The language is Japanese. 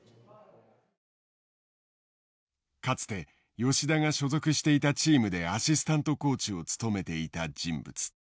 かつて吉田が所属していたチームでアシスタントコーチを務めていた人物。